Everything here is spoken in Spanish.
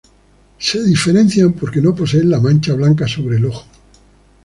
Se diferencian porque no poseen la mancha blanca sobre el ojo.